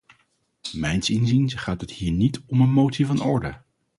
Mijns inziens gaat het hier niet om een motie van orde.